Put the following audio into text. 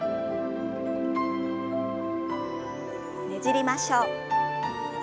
ねじりましょう。